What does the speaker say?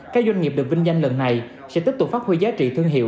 các doanh nghiệp được vinh danh lần này sẽ tiếp tục phát huy giá trị thương hiệu